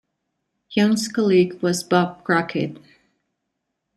Young's colleague was Bob Crockett.